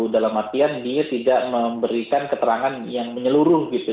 dalam artian dia tidak memberikan keterangan yang menyeluruh gitu